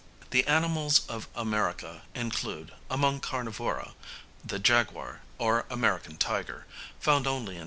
The animals of America include, among carnivora, the jaguar or American tiger, found only in S.